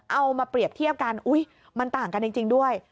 เอามาเปรียบเทียบกันอุ๊ยมันต่างกันจริงด้วย